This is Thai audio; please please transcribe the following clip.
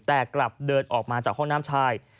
แต่กลับเดินออกมาจากห้องน้ำชาย